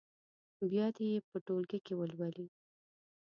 بیا دې یې په ټولګي کې ولولي.